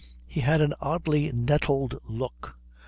He had an oddly nettled look.